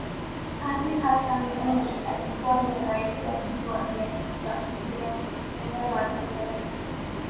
Ali Hassan Mwinyi alikua ni Rais wa pili wa jamhuri ya muungano wa Tanzania